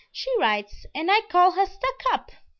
"She writes; and I call her stuck up."